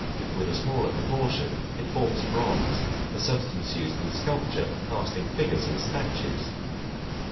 With a smaller proportion, it forms bronze, a substance used in sculpture for casting figures and statues.